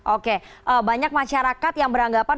oke banyak masyarakat yang beranggapan